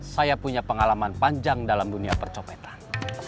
saya punya pengalaman panjang dalam dunia percopetan